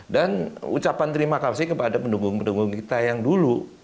dan ucapan terima kasih kepada pendukung pendukung kita yang dulu